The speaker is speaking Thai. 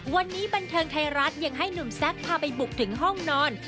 วันนี้บันเทิงไทยรัฐยังให้หนุ่มแซคพาไปบุกถึงห้องนอน